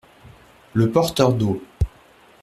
Le porteur d’eau.